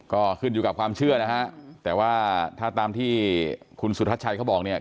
ก็ขึ้นอยู่กับความเชื่อนะฮะแต่ว่าถ้าตามที่คุณสุทัศน์ชัยเขาบอกเนี่ย